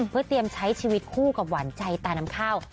เพื่อเตรียมใช้ชีวิตคู่กับหวานใจตาน้ำข้าว